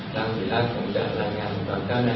ทางศิลาผมอยากตอนก่อนหน้านี้